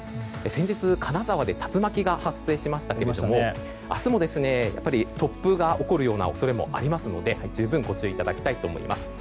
先日、金沢で竜巻が発生しましたが明日も突風が起こるような恐れがありますので十分、ご注意いただきたいと思います。